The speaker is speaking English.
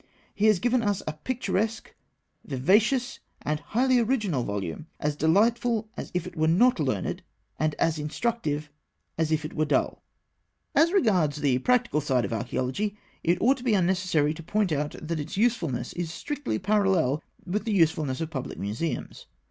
He has given us a picturesque, vivacious, and highly original volume, as delightful as if it were not learned, and as instructive as if it were dull. As regards the practical side of Archaeology, it ought to be unnecessary to point out that its usefulness is strictly parallel with the usefulness of public museums.